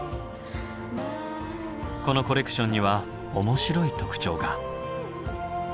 このコレクションには面白い特徴が。